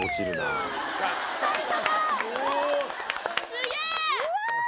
すげえ！